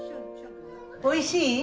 おいしい？